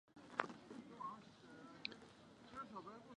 蒙特勒伊地区希勒人口变化图示